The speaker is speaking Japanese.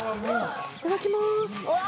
いただきますうわ